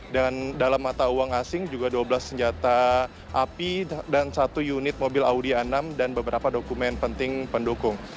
dan dalam mata uang asing juga dua belas senjata api dan satu unit mobil audi a enam dan beberapa dokumen penting pendukung